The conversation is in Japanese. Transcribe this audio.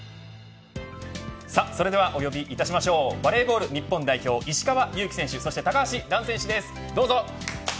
それではお呼びいたしましょうバレーボール日本代表、石川祐希選手高橋藍選手です。